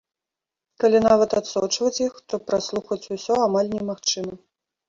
Калі, нават, адсочваць іх, то праслухаць усё амаль немагчыма.